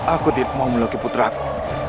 aku tidak mau meloki putraku